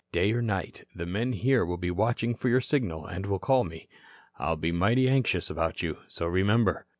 Day or night, the men here will be watching for your signal and will call me. I'll be mighty anxious about you. So remember."